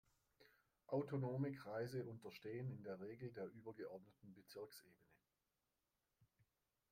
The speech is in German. Autonome Kreise unterstehen in der Regel der übergeordneten Bezirksebene.